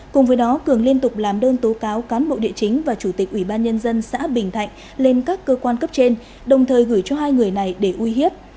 cùng với đó cường liên tục làm đơn tố cáo cán bộ địa chính và chủ tịch ủy ban nhân dân xã bình thạnh lên các cơ quan cấp trên đồng thời gửi cho hai người này để uy hiếp